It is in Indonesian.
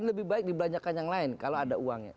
lebih baik dibelanjakan yang lain kalau ada uangnya